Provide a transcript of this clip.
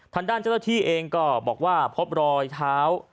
ทางด้านเจ้าหน้าที่เองก็บอกว่าพบรอยเท้า